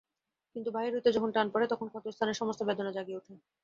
কিন্তু বাহির হইতে যখন টান পড়ে তখন ক্ষতস্থানের সমস্ত বেদনা জাগিয়া উঠে।